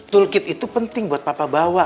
toolkit itu penting buat papa bawa